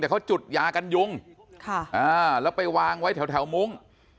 แต่เขาจุดยากันยุงแล้วไปวางไว้แถวมุ้ง